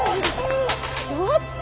ちょっと！